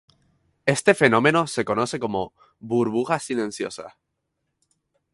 Este fenómeno se conoce como "burbujas silenciosas".